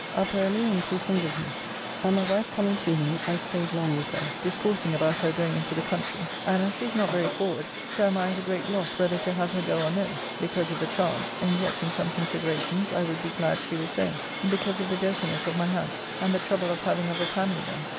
Up early and to some business, and my wife coming to me I staid long with her discoursing about her going into the country, and as she is not very forward so am I at a great loss whether to have her go or no because of the charge, and yet in some considerations I would be glad she was there, because of the dirtiness of my house and the trouble of having of a family there.